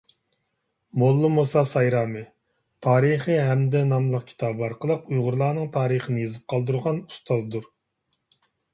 موللا مۇسا سايرامى «تارىخى ھەمىدى» ناملىق كىتابى ئارقىلىق ئۇيغۇرلارنىڭ تارىخىنى يېزىپ قالدۇرغان ئۇستازدۇر.